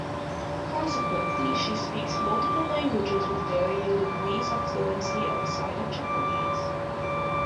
Consequently, she speaks multiple languages with varying degrees of fluency outside of Japanese.